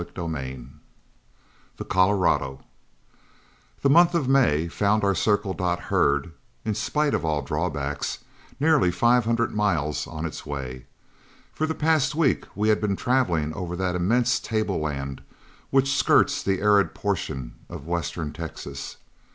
CHAPTER VII THE COLORADO The month of May found our Circle Dot herd, in spite of all drawbacks, nearly five hundred miles on its way. For the past week we had been traveling over that immense tableland which skirts the arid portion of western Texas.